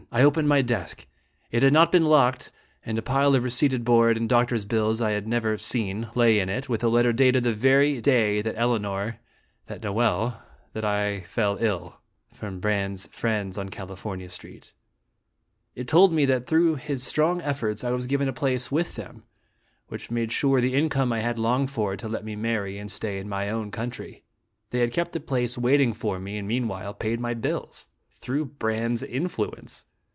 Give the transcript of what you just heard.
I opened my desk. It had not been locked, and a pile of receipted board and doctor's bills I had never seen lay in it, with a letter dated the very day that Elinor that Noel that I fell ill, from Brande's friends on California Street. It told me that Dramatic in tt HJestinrj. 133 through his strong efforts I was given a place with them, which made sure the income I had longed for to let me marry and stay in my own country. They had kept the place'waiting for me, and meanwhile paid my bills. Through Brande's influence